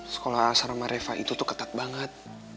sekolah sama reva itu tuh ketat banget